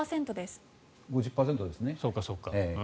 ５０％です。